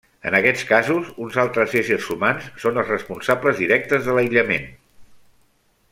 En aquests casos, uns altres éssers humans són els responsables directes de l'aïllament.